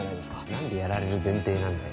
何でやられる前提なんだよ。